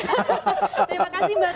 terima kasih mbak tati